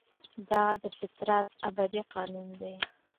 دا د فطرت ابدي قانون دی.